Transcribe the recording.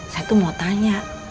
saya tuh mau tanya